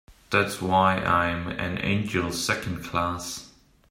That's why I'm an angel Second Class.